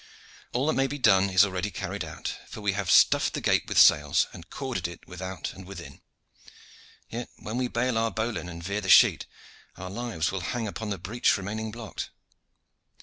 All that may be done is already carried out, for we have stuffed the gape with sails and corded it without and within. Yet when we bale our bowline and veer the sheet our lives will hang upon the breach remaining blocked.